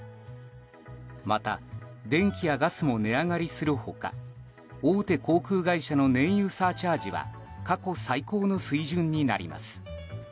また、電気やガスも値上げする他大手航空会社の燃油サーチャージは過去最高の水準になります。